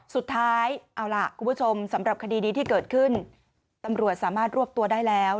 สุดท้ายเอาล่ะคุณผู้ชมสำหรับคดีนี้ที่เกิดขึ้นตำรวจสามารถรวบตัวได้แล้ว